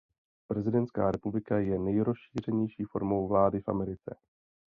Prezidentská republika je nejrozšířenější formou vlády v Americe.